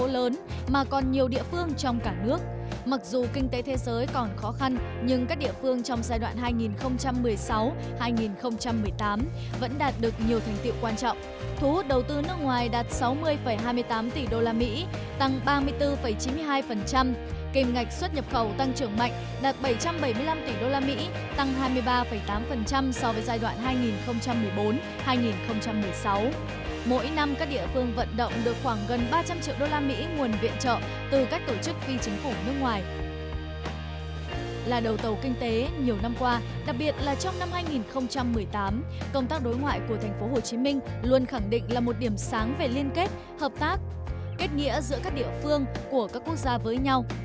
là đầu tàu kinh tế nhiều năm qua đặc biệt là trong năm hai nghìn một mươi tám công tác đối ngoại của tp hcm luôn khẳng định là một điểm sáng về liên kết hợp tác kết nghĩa giữa các địa phương của các quốc gia với nhau